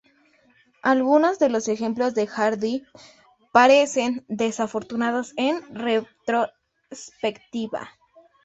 Algunos de los ejemplos de Hardy parecen desafortunados en retrospectiva.